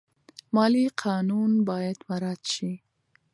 مالي قانون باید مراعات شي.